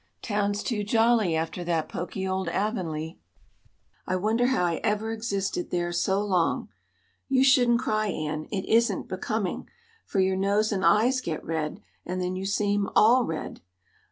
Town's too jolly after that poky old Avonlea. I wonder how I ever existed there so long. You shouldn't cry, Anne; it isn't becoming, for your nose and eyes get red, and then you seem all red.